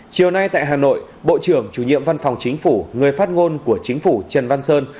chiều nay tại hà nội bộ trưởng chủ nhiệm văn phòng chính phủ người phát ngôn của chính phủ trần văn sơn